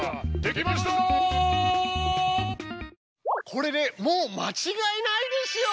これでもう間違えないですよ！